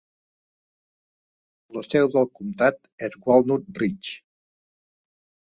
La seu del comtat és Walnut Ridge.